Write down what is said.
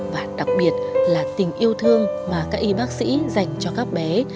và đặc biệt là tình yêu thương mà các y bác sĩ dành cho các bé